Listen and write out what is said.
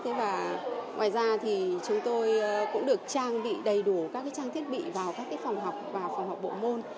thế và ngoài ra thì chúng tôi cũng được trang bị đầy đủ các trang thiết bị vào các phòng học và phòng học bộ môn